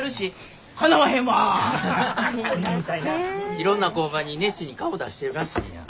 いろんな工場に熱心に顔出してるらしいやん。